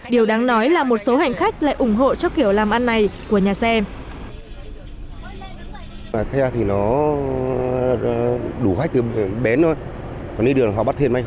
điều đáng nói là một số hành khách lại ủng hộ cho kiểu làm ăn này của nhà xe